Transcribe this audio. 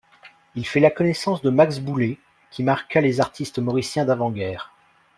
Il fait la connaissaince de Max Boullé qui marqua les artistes mauriciens d'avant-guerre.